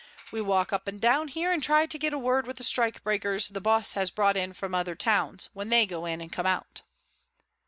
"We walk up and down here and try to get a word with the strikebreakers the boss has brought in from other towns, when they go in and come out."